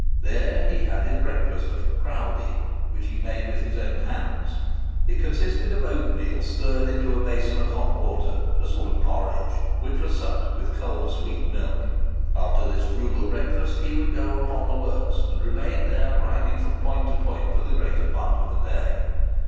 There he had his breakfast of "crowdie," which he made with his own hands. It consisted of oatmeal stirred into a basin of hot water,—a sort of porridge,—which was supped with cold sweet milk. After this frugal breakfast, he would go upon the works, and remain there, riding from point to point for the greater part of the day.